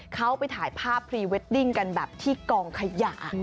เขาไปถ่ายภาพพรีเวดดิ้งกันแบบที่กองขยะ